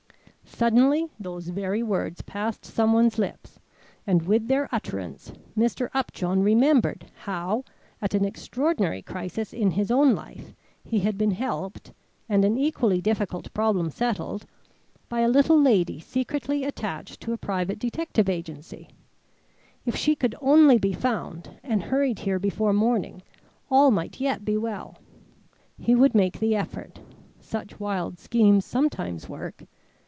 _ Suddenly those very words passed someone's lips, and with their utterance Mr. Upjohn remembered how at an extraordinary crisis in his own life, he had been helped and an equally difficult problem settled, by a little lady secretly attached to a private detective agency. If she could only be found and hurried here before morning, all might yet be well. He would make the effort. Such wild schemes sometimes work.